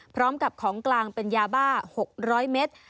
พร้อมกับของกลางเป็นยาบ้า๖๐๐เมตร